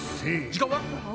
時間は？